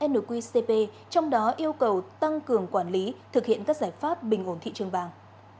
nqcp trong đó yêu cầu tăng cường quản lý thực hiện các giải pháp bình ổn thị trường vàng